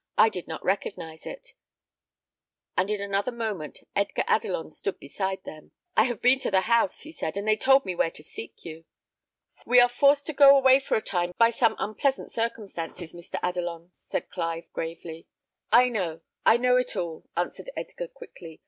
"I did not recognise it;" and in another moment Edgar Adelon stood beside them. "I have been to the house," he said, "and they told me where to seek you." "We are forced to go away for a time by some unpleasant circumstances, Mr. Adelon," said Clive, gravely. "I know I know it all," answered Edgar, quickly.